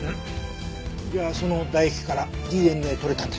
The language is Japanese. じゃあその唾液からＤＮＡ採れたんだ？